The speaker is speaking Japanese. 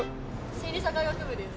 心理社会学部です。